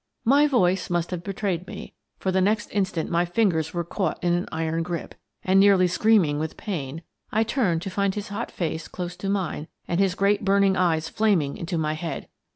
My voice must have betrayed me, for the next instant my fingers were caught in an iron grip, and, nearly screaming with pain, I turned to find his hot face close to mine and his great burning eyes flaming into my head.